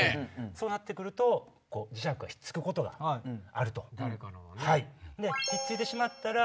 そうなってくると磁石がひっつくことがある。